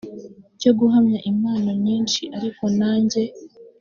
cyo guhabwa impano nyinshi ariko nanjye